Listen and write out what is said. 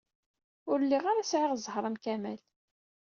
Ur lliɣ ara sɛiɣ zzheṛ am Kamal.